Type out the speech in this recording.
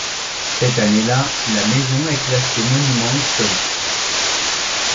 Cette année-là, la maison est classée monument historique.